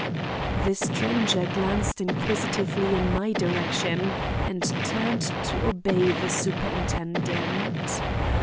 The stranger glanced inquisitively in my direction, and turned to obey the superintendent.